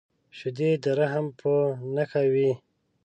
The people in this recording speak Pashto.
شیدې د رحم په نښه وي